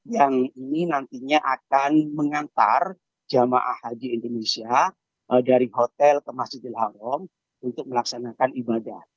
yang ini nantinya akan mengantar jemaah haji indonesia dari hotel ke masjidil haram untuk melaksanakan ibadah